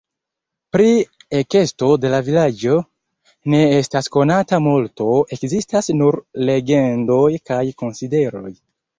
Pri ekesto de la vilaĝo ne estas konata multo, ekzistas nur legendoj kaj konsideroj.